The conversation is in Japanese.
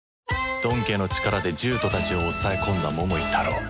ドン家の力で獣人たちを抑え込んだ桃井タロウ